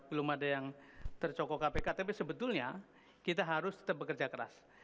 belum ada yang tercokok kpk tapi sebetulnya kita harus tetap bekerja keras